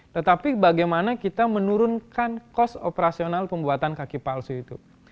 tetapi bagaimana kita menurunkan kos operasional pembuatan kaki palsu itu